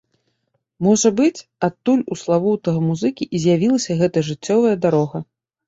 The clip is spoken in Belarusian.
Можа быць, адтуль у славутага музыкі і з'явілася гэтая жыццёвая дарога.